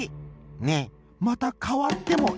ねえまたかわってもいい？」。